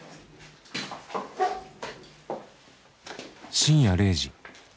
深夜０時。